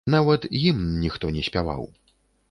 Нават гімн ніхто не спяваў.